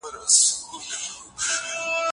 ناسيوناليزم خلګ د خپلو ملي ګټو ساتلو ته چمتو کړل.